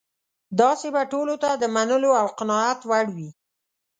داسې به ټولو ته د منلو او قناعت وړ وي.